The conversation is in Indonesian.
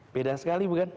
beda sekali bukan